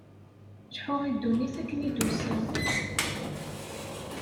Lḥu i ddunit akken i d-tusa.